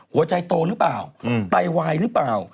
หัวใจโตหรือเปล่าไตวายหรือเปล่า